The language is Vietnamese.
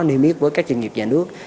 niêm yết với các chuyên nghiệp nhà nước